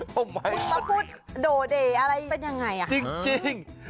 ทำไมคุณมาพูดโดเด่อะไรเป็นยังไงอ่ะจริง